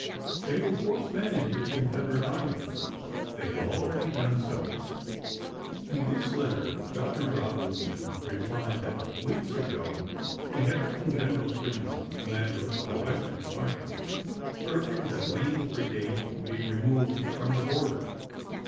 They will force men into the Confederate army. They have already done so." To this letter Governor Robinson replied that, weeks ago, he had written General Fremont, commander of the Western Department, urging that Lane's brigade be re moved from the border.